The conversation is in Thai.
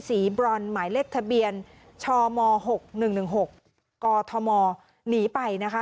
บรอนหมายเลขทะเบียนชม๖๑๑๖กธมหนีไปนะคะ